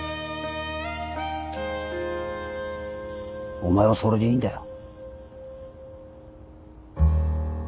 お前はそれでいいんだよ。